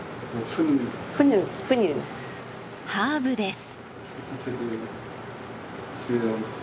ハーブです。